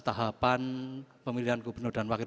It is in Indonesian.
tahapan pemilihan gubernur dan wakil